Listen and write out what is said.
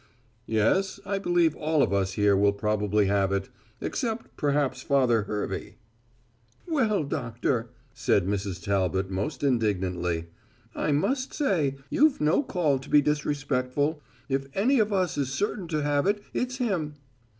"Yes, I believe all of us here will probably have it except perhaps Father Hervey." "Well, doctor," said Mrs. Talbot most indignantly, "I must say you've no call to be disrespectful. If any of us is certain to have it, it's him."